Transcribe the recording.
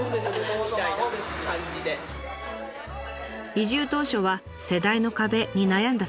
移住当初は世代の壁に悩んだそうです。